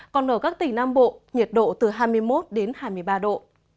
còn ở các tỉnh nam bộ nhiệt độ từ hai mươi một đến hai mươi ba độ